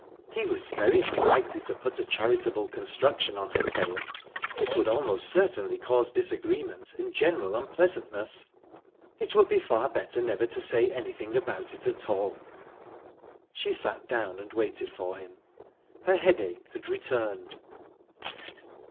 He was very unlikely to put a charitable construction on her tale; it would almost certainly cause disagreement and general unpleasantness it would be far better never to say anything about it at all. She sat down and waited for him. Her headache had returned.